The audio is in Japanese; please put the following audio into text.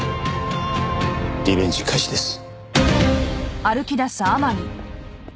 リベンジ開始です。